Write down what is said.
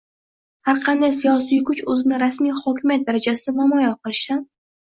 har qanday siyosiy kuch o‘zini rasmiy hokimiyat darajasida namoyon qilishdan